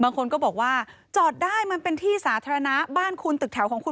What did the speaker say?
บางคนก็บอกว่าจอดได้มันเป็นที่สาธารณะบ้านคุณตึกแถวของคุณ